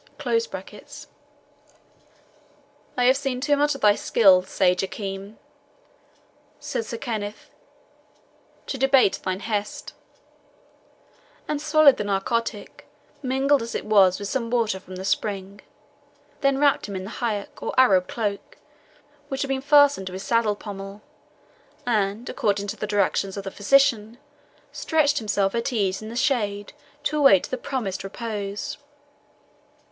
] "I have seen too much of thy skill, sage Hakim," said Sir Kenneth, "to debate thine hest;" and swallowed the narcotic, mingled as it was with some water from the spring, then wrapped him in the haik, or Arab cloak, which had been fastened to his saddle pommel, and, according to the directions of the physician, stretched himself at ease in the shade to await the promised repose.